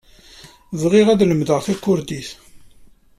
Bɣiɣ ad lemdeɣ takurdit.